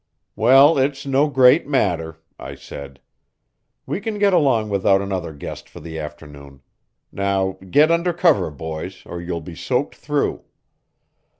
"Well, it's no great matter," I said. "We can get along without another guest for the afternoon. Now get under cover, boys, or you'll be soaked through."